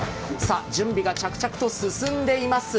準備が着々と進んでいます。